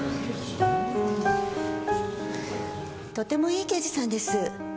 とてもいい刑事さんです。